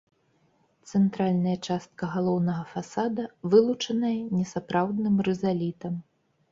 Цэнтральная частка галоўнага фасада вылучаная несапраўдным рызалітам.